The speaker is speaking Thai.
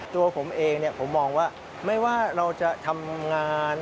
ตัวผมเองผมมองว่าไม่ว่าเราจะทำงาน